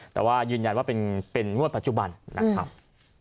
แต่ว่ายืนยันว่าเป็นงวดปัจจุบันนะครับ